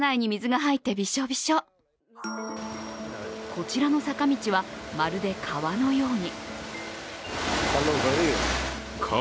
こちらの坂道はまるで川のように。